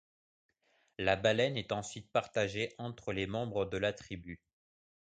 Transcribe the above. La baleine est ensuite partagée entre les membres de la tribu.